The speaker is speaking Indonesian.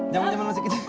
jaman jaman masih gitu